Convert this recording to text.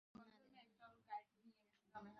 ছড়িয়ে দিন রাজকীয় সুবাস, কারণ আপনি তেমনটাই।